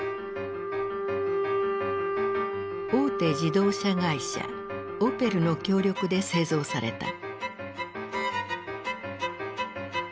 大手自動車会社ＯＰＥＬの協力で製造された。